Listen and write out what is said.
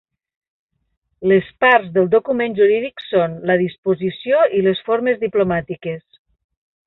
Les parts del document jurídic són: la disposició i les fórmules diplomàtiques.